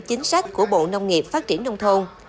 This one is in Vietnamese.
chính sách của bộ nông nghiệp phát triển nông thôn